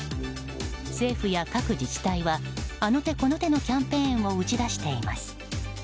政府や各自治体はあの手この手のキャンペーンを打ち出しています。